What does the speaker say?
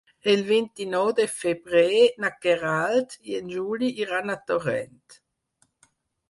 El vint-i-nou de febrer na Queralt i en Juli iran a Torrent.